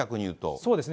そうですね。